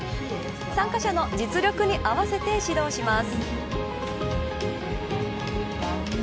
参加者の実力に合わせて指導します。